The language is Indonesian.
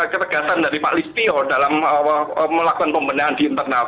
ketegasan dari pak listio dalam melakukan pembenahan di internal